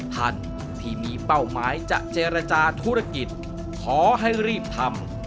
ท่านที่มีเป้าหมายจะเจรจาธุรกิจขอให้รีบทำ